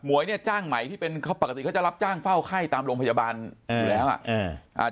มวยนี่จ้างไหมที่เป็นเขาปกติจะรับจ้างเป้าไข้ตามโรงพยาบาลร้ายแล้วอ่ะอ่ะ